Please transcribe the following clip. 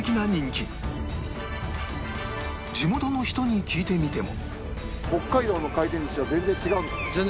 地元の人に聞いてみても